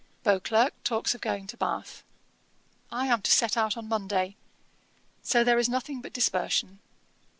Beauclerk talks of going to Bath. I am to set out on Monday; so there is nothing but dispersion.